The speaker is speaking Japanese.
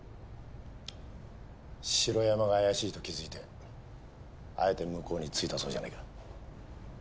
城山が怪しいと気づいてあえて向こうについたそうじゃないか。